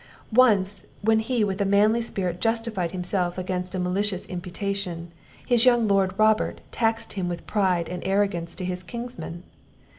Once, when he with a manly spirit justified himself against a malicious imputation, his young Lord, Robert, taxed him with pride and arrogance to his kinsmen.